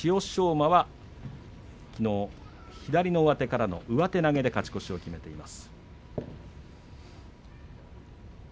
馬はきのう左の上手からの上手投げで勝ち越しを決めています。